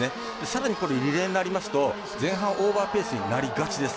さらに、リレーになりますと前半オーバーペースになりがち。